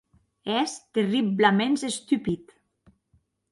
Ès terriblaments estupid.